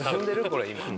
これ今。